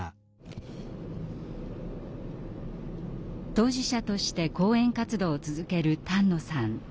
当事者として講演活動を続ける丹野さん。